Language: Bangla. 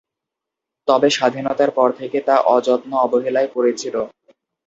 তবে স্বাধীনতার পর থেকে তা অযত্ন-অবহেলায় পড়ে ছিল।